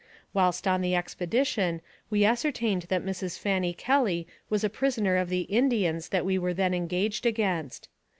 Whilst on the expedition, we ascertained that Mrs. Fanny Kelly was a prisoner of the Indians that we were then engaged against.